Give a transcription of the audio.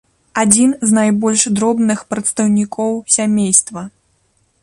Адзін з найбольш дробных прадстаўнікоў сямейства.